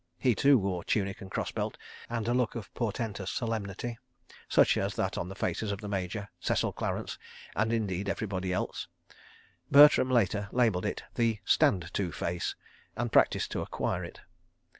He, too, wore tunic and cross belt and a look of portentous solemnity, such as that on the faces of the Major, Cecil Clarence, and, indeed, everybody else. Bertram, later, labelled it the Stand to face and practised to acquire it.